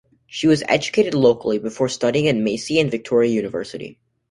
She was educated locally before studying at Massey and Victoria University.